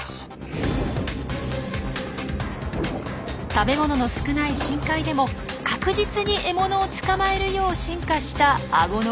食べ物の少ない深海でも確実に獲物を捕まえるよう進化したアゴの構造。